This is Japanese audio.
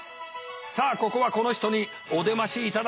さあここはこの人にお出ましいただきたい！